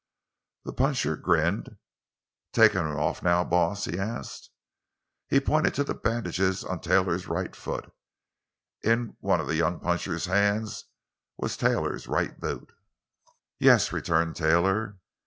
The puncher grinned. "Takin' 'em off now, boss?" he asked. He pointed to the bandages on Taylor's right foot. In one of the young puncher's hands was Taylor's right boot. "Yes," returned Taylor.